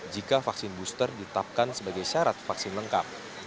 jika vaksin booster ditetapkan sebagai syarat vaksin lengkap